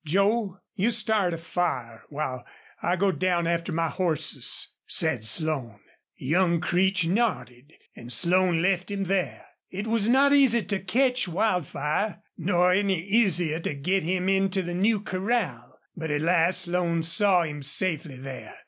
"Joel, you start a fire while I go down after my horses," said Slone. Young Creech nodded and Slone left him there. It was not easy to catch Wildfire, nor any easier to get him into the new corral; but at last Slone saw him safely there.